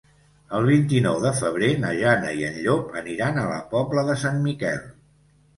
El vint-i-nou de febrer na Jana i en Llop aniran a la Pobla de Sant Miquel.